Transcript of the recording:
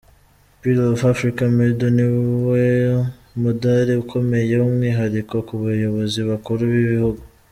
“Pearl of Africa medal” niwo mudari ukomeye w’umwihariko ku bayobozi bakuru b’ibihugu.